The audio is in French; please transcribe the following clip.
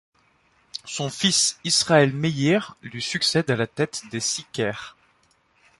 Son fils Israël Meir lui succède à la tête des sicaires.